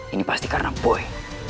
ini pasti karena boy